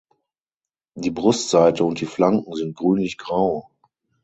Die Brustseite und die Flanken sind grünlich grau.